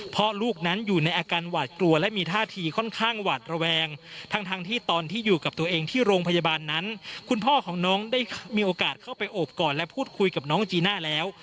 เพราะลูกนั้นอยู่ในอาการหวาดกลัวและมีท่าทีค่อนข้างหวาดระแวงทั้งที่ตอนที่อยู่กับตัวเองที่โรงพยาบาลนั้นคุณพ่อของน้องได้มีโอกาสเข้าไปโอบกอดและพูดคุยกับน้องจีน่าแล้ว